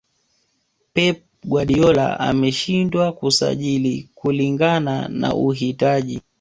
pep guardiola ameshindwa kusajili kulingana na uhitaji